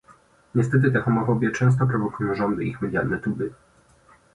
Niestety tę homofobię często prowokują rządy i ich medialne tuby